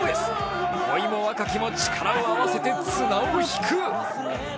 老いも若きも力を合わせて綱を引く。